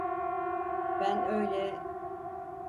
Ben öyle…